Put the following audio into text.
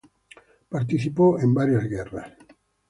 Participó en varias guerras.